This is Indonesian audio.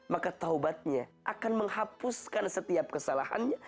maka taubatnya akan menghapuskan setiap kesalahannya